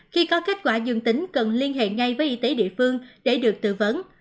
khi có kết quả dương tính cần liên hệ ngay với y tế địa phương để được tư vấn